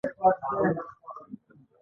هدف یې د پنجاب د ستراتیژیکې خلا ډکول وو.